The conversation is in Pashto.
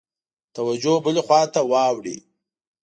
توجه بلي خواته واوړي.